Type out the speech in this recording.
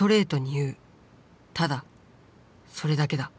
ただそれだけだ。